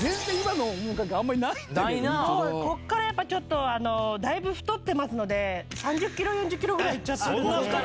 ここからやっぱりちょっと、だいぶ太ってますので、３０キロ、４０キロぐらいいっちゃってるので。